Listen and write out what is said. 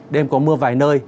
đêm có mưa vài nơi